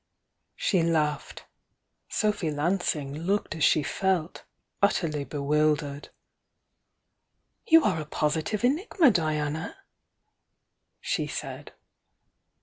She laughed; Sophy Lansing looked as she felt, utterly bewildered. "You are a positive enigma, Diana!" she said.